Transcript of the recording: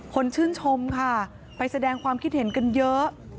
คนชื่นชมค่ะไปแสดงความคิดเห็นกันเยอะ